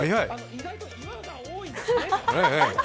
意外と岩が多いですね。